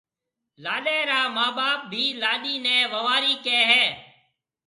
لاڏيَ را مان ٻاپ بي لاڏيِ نَي ووارِي ڪهيَ هيَ۔